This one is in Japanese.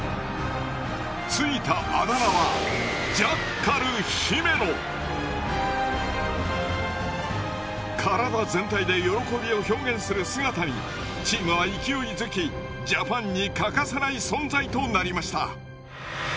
付いたあだ名は体全体で喜びを表現する姿にチームは勢いづきジャパンに欠かせない存在となりました。